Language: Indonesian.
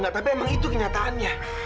tapi emang itu kenyataannya